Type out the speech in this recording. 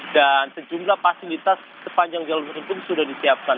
dan sejumlah fasilitas sepanjang jeluh arteri pun sudah disiapkan